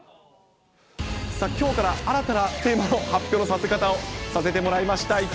きょうから新たなテーマの発表のさせ方をさせてもらいました。